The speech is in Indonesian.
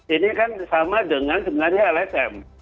ini kan sama dengan sebenarnya lsm